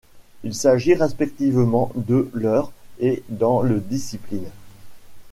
Il s'agit respectivement de leur et dans le discipline.